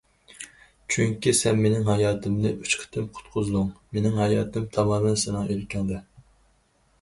چۈنكى، سەن مېنىڭ ھاياتىمنى ئۈچ قېتىم قۇتقۇزدۇڭ، مېنىڭ ھاياتىم تامامەن سېنىڭ ئىلكىڭدە.